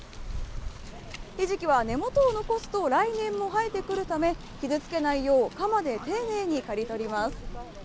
ひじきは根元を残すと来年も生えてくるため、傷付けないよう、鎌で丁寧に刈り取ります。